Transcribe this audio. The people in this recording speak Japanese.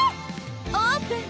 オープン！